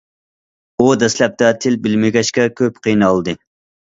ئۇ دەسلەپتە تىل بىلمىگەچكە كۆپ قىينالدى.